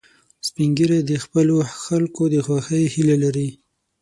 سپین ږیری د خپلو خلکو د خوښۍ هیله لري